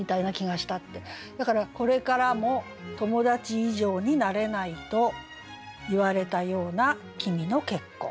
だから「これからも友達以上になれないと言われたような君の結婚」。